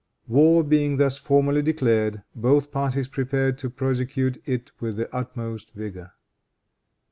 War being thus formally declared, both parties prepared to prosecute it with the utmost vigor.